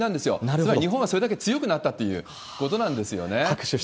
だから日本はそれだけ強くなったっていうことなんですよね。